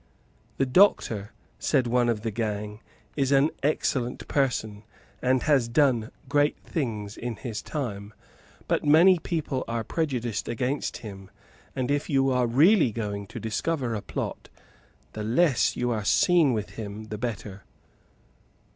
"The Doctor," said one of the gang, "is an excellent person, and has done great things in his time; but many people are prejudiced against him; and, if you are really going to discover a plot, the less you are seen with him the better."